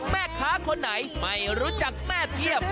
แม่ค้าคนไหนไม่รู้จักแม่เทียบ